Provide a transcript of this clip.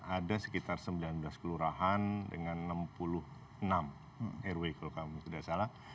ada sekitar sembilan belas kelurahan dengan enam puluh enam rw kalau kamu tidak salah